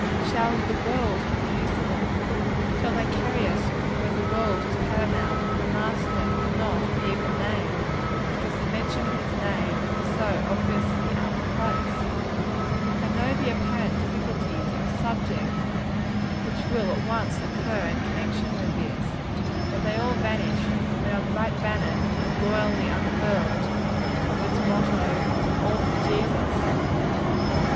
Shall 'the world' have the use of them? Shall they carry us where the world is paramount, and the Master cannot be even named, because the mention of His Name would be so obviously out of place? I know the apparent difficulties of a subject which will at once occur in connection with this, but they all vanish when our bright banner is loyally unfurled, with its motto, 'All for Jesus!'